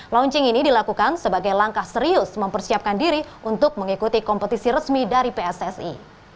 launching ini dilakukan sebagai langkah serius mempersiapkan diri untuk mengikuti kompetisi resmi dari pssi